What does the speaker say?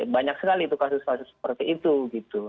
banyak sekali itu kasus kasus seperti itu gitu